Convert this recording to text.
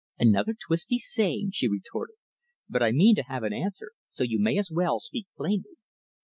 "Another twisty saying," she retorted. "But I mean to have an answer, so you may as well speak plainly.